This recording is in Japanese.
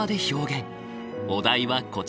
お題はこちら。